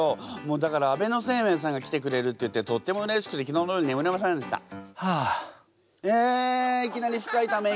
だから安倍晴明さんが来てくれるっていってとってもうれしくてはあ。えいきなり深いため息。